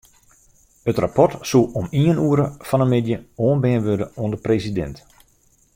It rapport soe om ien oere fan 'e middei oanbean wurde oan de presidint.